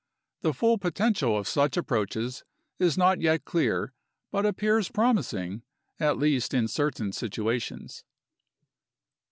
The full potential of such approaches is not yet clear but appears promising, at least in certain situations.